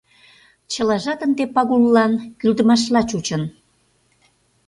Чылажат ынде Пагуллан кӱлдымашла чучын.